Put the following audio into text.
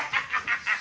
フハハハハ！